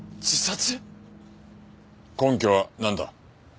根拠はなんだ？